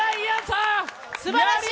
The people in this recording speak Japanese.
すばらしい！